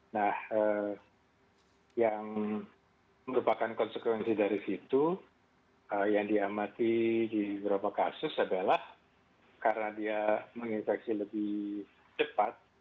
nah yang merupakan konsekuensi dari situ yang diamati di beberapa kasus adalah karena dia menginfeksi lebih cepat